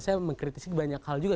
saya mengkritisi banyak hal juga